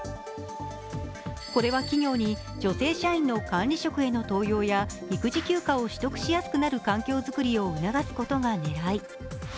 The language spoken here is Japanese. これは企業に、女性社員の管理職への登用や育児休暇を取得しやすくなる環境作りを促すことが狙い。